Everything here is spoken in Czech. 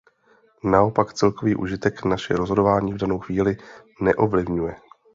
Naopak celkový užitek naše rozhodování v danou chvíli neovlivňuje.